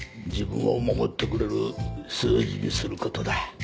自分を守ってくれる数字にすることだ。